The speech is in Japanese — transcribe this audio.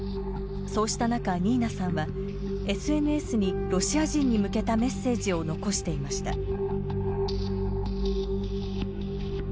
そうした中ニーナさんはＳＮＳにロシア人に向けたメッセージを残していました。